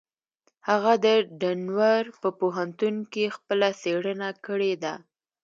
هغه د ډنور په پوهنتون کې خپله څېړنه کړې ده.